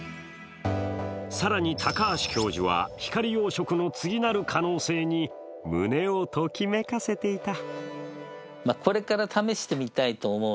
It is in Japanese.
更に、高橋教授は光養殖の次なる可能性に胸をときめかせていた。